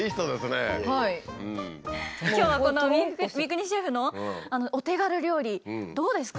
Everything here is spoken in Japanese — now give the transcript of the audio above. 今日はこの三國シェフのお手軽料理どうですか？